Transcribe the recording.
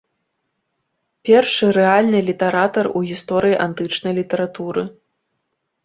Першы рэальны літаратар у гісторыі антычнай літаратуры.